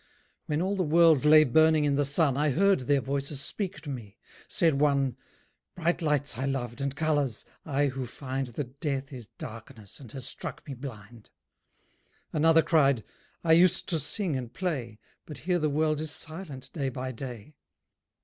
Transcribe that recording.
When all the world lay burning in the sun I heard their voices speak to me. Said one: "Bright lights I loved and colours, I who find That death is darkness, and has struck me blind." Another cried: "I used to sing and play, But here the world is silent, day by day."